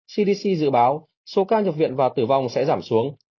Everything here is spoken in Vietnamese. cdc dự báo số ca nhập viện và tử vong sẽ giảm xuống